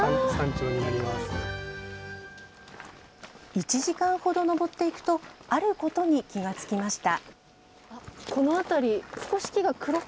１時間ほど登っていくと、あることに気が付きました。